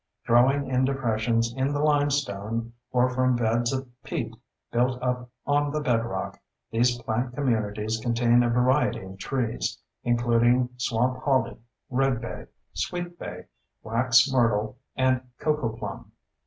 Growing in depressions in the limestone or from beds of peat built up on the bedrock, these plant communities contain a variety of trees, including swamp holly, redbay, sweetbay, wax myrtle, and cocoplum.